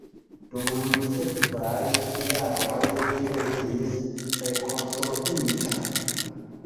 Dum sekvaj jaroj ĝi estis rekonstruita.